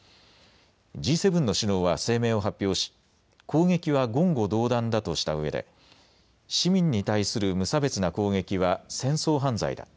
Ｇ７の首脳は声明を発表し、攻撃は言語道断だとしたうえで市民に対する無差別な攻撃は戦争犯罪だ。